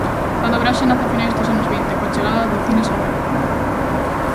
A dobraxe nace a finais dos anos vinte, coa chegada do cine sonoro.